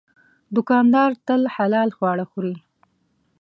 دوکاندار تل حلال خواړه خوري.